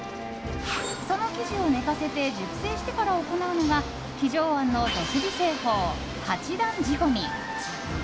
その生地を寝かせて熟成してから行うのが亀城庵の独自製法、八段仕込み。